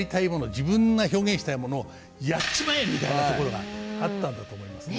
自分が表現したいものを「やっちまえ！」みたいなところがあったんだと思いますね。